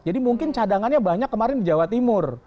jadi mungkin cadangannya banyak kemarin di jawa timur